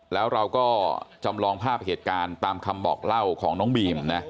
แล้วเราก็จำลองภาพเหตุการณ์ตามคำบอกเล่าของน้องบีมนะ